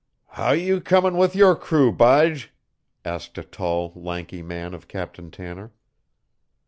"How you comin' with your crew, Bige?" asked a tall, lanky man of Captain Tanner.